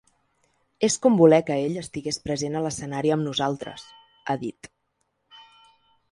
“És com voler que ell estigués present a l’escenari amb nosaltres”, ha dit.